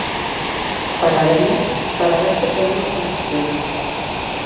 Falaremos para ver se podemos transaccionar.